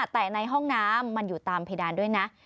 แต่ในห้องน้ำมันอยู่ตามเพดานด้วยนะ